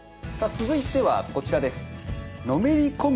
続いてはこちらです。